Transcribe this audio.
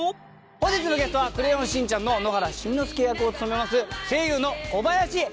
本日のゲストは『クレヨンしんちゃん』の野原しんのすけ役を務めます声優の小林由美子さんです。